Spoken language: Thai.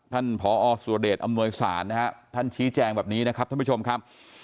ผอสุเดชอำนวยศาลนะฮะท่านชี้แจงแบบนี้นะครับท่านผู้ชมครับ